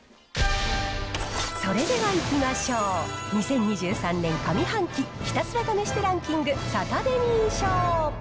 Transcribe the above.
それではいきましょう、２０２３年上半期ひたすら試してランキングサタデミー賞。